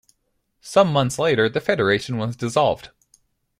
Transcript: Some months later the federation was dissolved.